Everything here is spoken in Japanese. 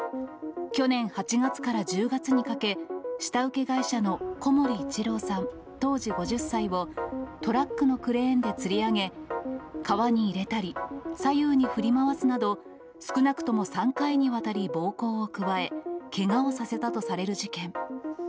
去年８月から１０月にかけ、下請け会社の小森一郎さん当時５０歳を、トラックのクレーンでつり上げ、川に入れたり、左右に振り回すなど、少なくとも３回にわたり暴行を加え、けがをさせたとされる事件。